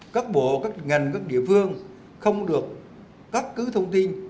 các bộ các ngành các địa phương không được cắt cứ thông tin